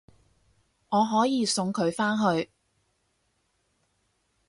我可以送佢返去